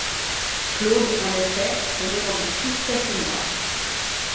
Claude, en effet, tombait dans des tristesses noires.